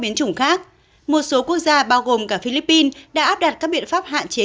biến chủng khác một số quốc gia bao gồm cả philippines đã áp đặt các biện pháp hạn chế